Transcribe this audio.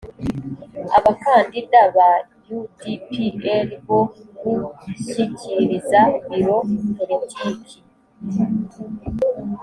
abakandida ba u d p r bo gushyikiriza biro politiki